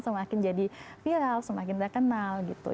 semakin jadi viral semakin terkenal gitu